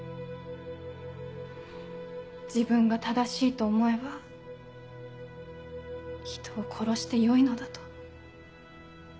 自分が正しいと思えば人を殺してよいのだと。